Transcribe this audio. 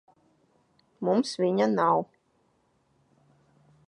Mums viņa nav.